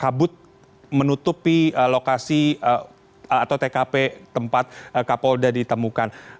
kabut menutupi lokasi atau tkp tempat kapolda ditemukan